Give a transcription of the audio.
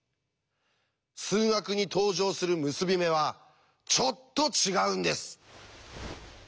数学に登場する結び目はちょっと違うんです！